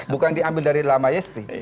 bukan diambil dari lama yesti